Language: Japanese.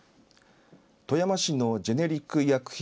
富山市のジェネリック医薬品